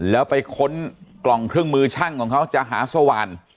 แล้วไปค้นกล่องเครื่องมือช่างของเขาจะหาสว่าน